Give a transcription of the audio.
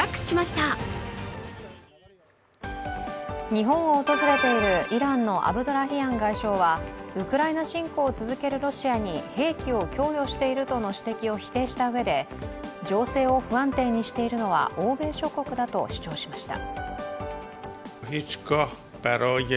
日本を訪れているイランのアブドラヒアン外相はウクライナ侵攻を続けるロシアに兵器を供与しているとの指摘を否定したうえで、情勢を不安定にしているのは欧米諸国だと主張しました。